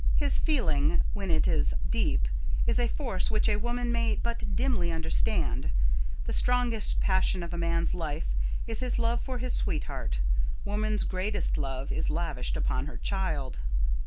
His feeling, when it is deep, is a force which a woman may but dimly understand. The strongest passion of a man's life is his love for his sweetheart; woman's greatest love is lavished upon her child.